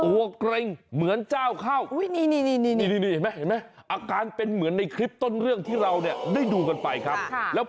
โอ้โหเกร็งเหมือนเจ้าข้าว